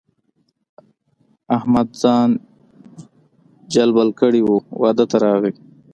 احمد ځان جلبل کړی وو؛ واده ته راغی.